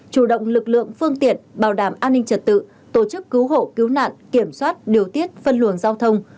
chủ động lực lượng phương tiện bảo đảm an ninh trật tự tổ chức cứu hộ cứu nạn kiểm soát điều tiết phân luồng giao thông